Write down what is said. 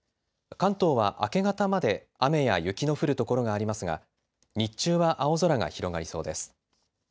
関東は明け方まで雨や雪の降る所がありますが日中は青空が広がりそうです。